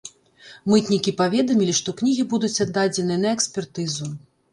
Мытнікі паведамілі, што кнігі будуць аддадзеныя на экспертызу.